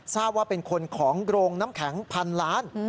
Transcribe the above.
ทราบว่าเป็นคนของโรงน้ำแข็งพันล้าน